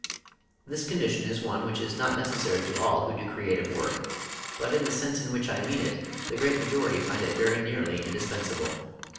This condition is one which is not necessary to all who do creative work, but in the sense in which I mean it the great majority find it very nearly indispensable.